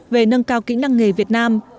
về nâng cao kỹ năng nghề việt nam